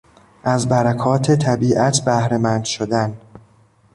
از برکات طبیعت بهرهمند شدن